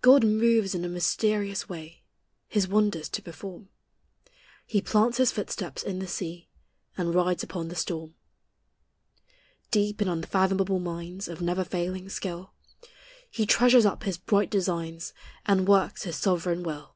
God moves in a mysterious way His wonders to perform; He plants His footsteps in the sea, And rides upon the storm. Deep in unfathomable mines Of never failing skill, He treasures up His bright designs, And works His sovereign will.